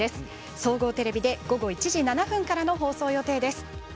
総合テレビで午後１時７分からの放送予定です。